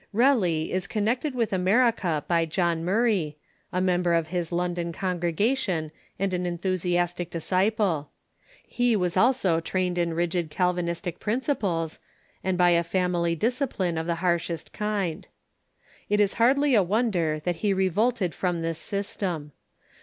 Relly is connected with America by John Murray, a mem ber of his London congregation and an enthusiastic disciple. lie was also trained in ricjid Calvinistic i)rinciples, John Murray .^..,. r ^^ i • i V • and by a family disciphne or the harshest kind. It is hardly a wonder that he revolted from this system.